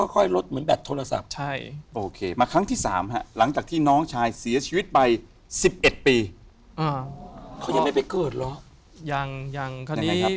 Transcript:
เขายังยังไปเกิดหรอก